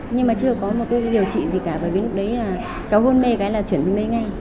nhưng mà chưa có điều trị gì cả bởi vì lúc đấy cháu hôn mê cái là chuyển xuống đây ngay